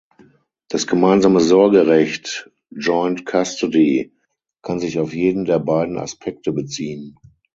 Das gemeinsame Sorgerecht "(joint custody)" kann sich auf jeden der beiden Aspekte beziehen.